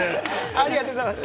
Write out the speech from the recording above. ありがとうございます。